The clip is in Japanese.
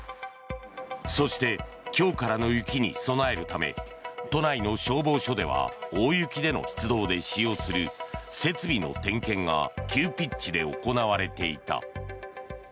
そして今日からの雪に備えるため都内の消防署では大雪での出動で使用する設備の点検が急ピッチで行われていた。